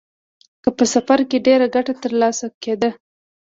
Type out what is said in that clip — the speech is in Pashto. که په سفر کې ډېره ګټه ترلاسه کېده